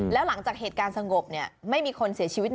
แล้วหลังจากเหตุการณ์สงบไม่มีคนเสียชีวิต